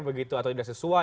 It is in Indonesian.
begitu atau tidak sesuai